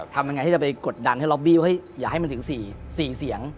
ทำยังไงที่จะไปกดดันให้ล็อบบี้อย่าให้มันถึง๔เสียง